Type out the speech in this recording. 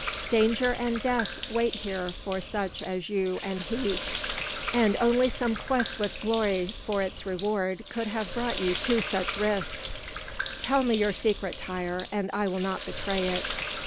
Danger and death wait here for such as you and he; and only some quest with glory for its reward could have brought you to such risks. Tell me your secret, Tŷr, and I will not betray it."